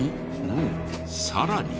さらに。